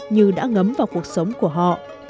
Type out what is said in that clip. như đã ngấm vào cuộc sống của họ